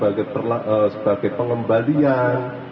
atau itu kami anggap sebagai pengembalian